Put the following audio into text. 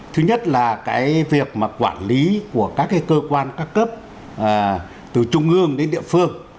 thứ nhất là cái việc mà quản lý của các cơ quan các cấp từ trung ương đến địa phương